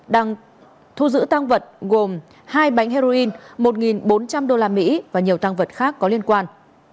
đang thu giữ tăng vật gồm hai bánh heroin một bốn trăm linh usd và nhiều tăng vật khác có liên quan